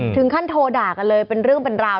ถึงขั้นโทด่ากันเลยเป็นเรื่องเป็นราว